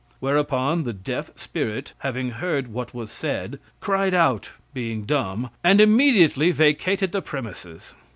'" Whereupon, the deaf spirit having heard what was said, cried out (being dumb) and immediately vacated the premises.